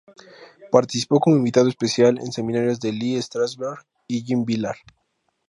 Participó como invitado especial en seminarios de Lee Strasberg y Jean Vilar.